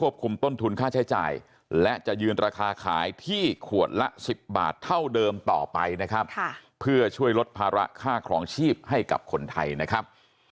เพื่อลดภาระค่าครองชีพให้กับคนไทยนะครับ